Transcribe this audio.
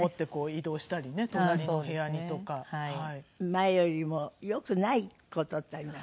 前よりも良くない事ってあります？